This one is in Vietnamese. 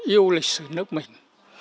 yêu lịch sử nước mình